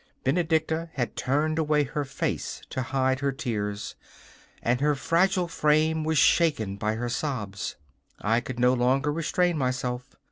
Benedicta had turned away her face to hide her tears, and her fragile frame was shaken by her sobs. I could no longer restrain myself.